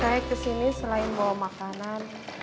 saya kesini selain bawa makanan